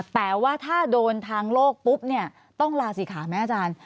แต่ว่าถ้าโดนทางโลกปุ๊บเนี่ยต้องลาศิขาไหมอาจารย์